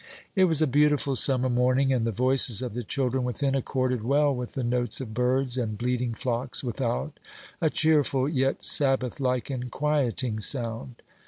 It was a beautiful summer morning, and the voices of the children within accorded well with the notes of birds and bleating flocks without a cheerful, yet Sabbath like and quieting sound.